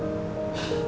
sampai ketemu besok